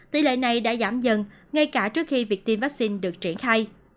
tỷ lệ này đã giảm dần ngay cả trước khi việc tiêm vaccine được triển khai